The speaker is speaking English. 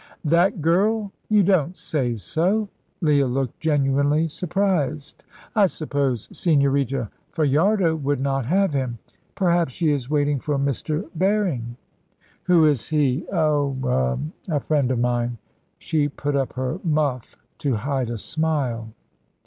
"That girl! You don't say so?" Leah looked genuinely surprised. "I suppose Señorita Fajardo would not have him. Perhaps she is waiting for Mr. Berring." "Who is he?" "Oh er a friend of mine"; she put up her muff to hide a smile.